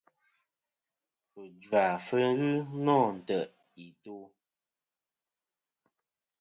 Fujva fɨ ghɨ nô ntè' i to'.